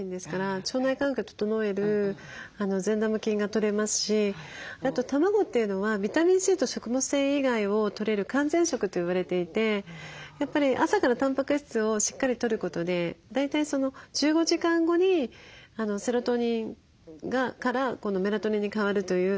腸内環境を整える善玉菌がとれますしあと卵というのはビタミンＣと食物繊維以外をとれる完全食と言われていてやっぱり朝からたんぱく質をしっかりとることで大体１５時間後にセロトニンからメラトニンに変わるという。